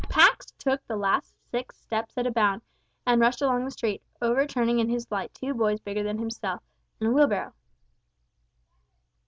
Pax took the last six steps at a bound, and rushed along the street, overturning in his flight two boys bigger than himself, and a wheelbarrow.